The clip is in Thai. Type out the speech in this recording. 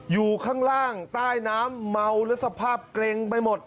อยู่ข้างล่างใต้น้ำเมาแล้วสภาพเกร็งไปหมด